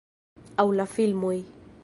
Aŭ la filmoj.